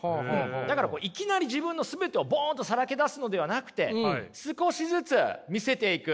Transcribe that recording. だからこういきなり自分の全てをボンとさらけ出すのではなくて少しずつ見せていく。